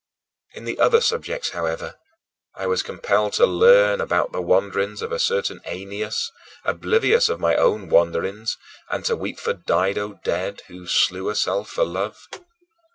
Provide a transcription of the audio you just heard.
In the other subjects, however, I was compelled to learn about the wanderings of a certain Aeneas, oblivious of my own wanderings, and to weep for Dido dead, who slew herself for love.